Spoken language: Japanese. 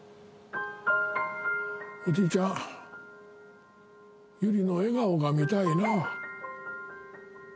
おじいちゃん百合の笑顔が見たいな。